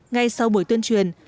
ngay sau buổi tuyên truyền